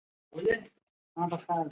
څو عکسونه به یې دلته هم راوړم.